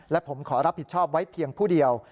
และผมขอรับผิดชอบไว้เพียงผู้เดียว